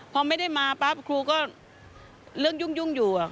พอไม่ได้มาปั๊บครูก็เรื่องยุ่งอยู่